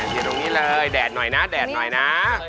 อยู่ตรงนี้เลยแดดหน่อยนะนะ